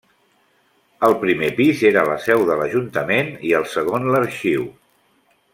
El primer pis era la seu de l'ajuntament i el segon l'arxiu.